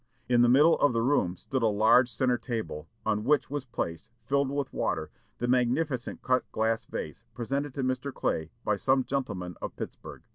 In the middle of the room stood a large centre table, on which was placed, filled with water, the magnificent cut glass vase presented to Mr. Clay by some gentlemen of Pittsburg.